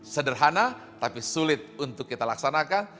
sederhana tapi sulit untuk kita laksanakan